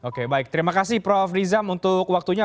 oke baik terima kasih prof rizam untuk waktunya